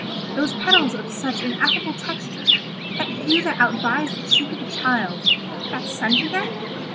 Those petals of such ineffable texture—that hue that outvies the cheek of a child—that scent again?